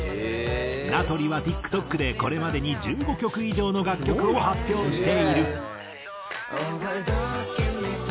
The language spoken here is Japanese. なとりはＴｉｋＴｏｋでこれまでに１５曲以上の楽曲を発表している。